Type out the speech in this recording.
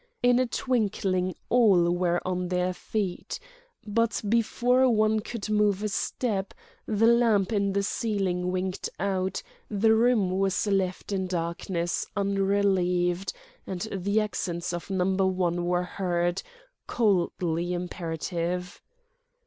In a twinkling all were on their feet. But before one could move a step the lamp in the ceiling winked out, the room was left in darkness unrelieved, and the accents of Number One were heard, coldly imperative.